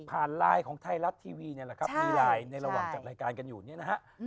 ไลน์ของไทยรัฐทีวีเนี่ยแหละครับมีไลน์ในระหว่างจัดรายการกันอยู่เนี่ยนะฮะ